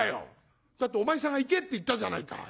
「だってお前さんが行けって言ったじゃないか。